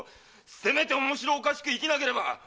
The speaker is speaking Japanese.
せめて面白おかしく生きなければ！